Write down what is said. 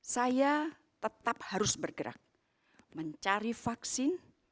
saya tetap harus bergerak mencari vaksin